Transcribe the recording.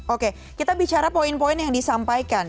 oke kita bicara poin poin yang disampaikan